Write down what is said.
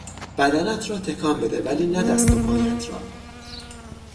بدنت را تکان بده ولی نه دست و پایت را.